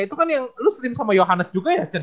itu kan yang lo stream sama yohannes juga ya jen